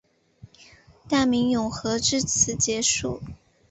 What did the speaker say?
大明永和至此结束。